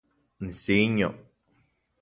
Nisiño